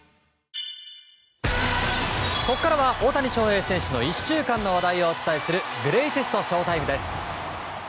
ここからは大谷翔平選手の１週間の話題をお伝えするグレイテストＳＨＯ‐ＴＩＭＥです。